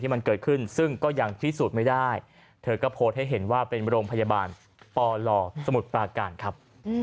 มันเกิดขึ้นซึ่งก็ยังพิสูจน์ไม่ได้เธอก็โพสต์ให้เห็นว่าเป็นโรงพยาบาลปลสมุทรปราการครับ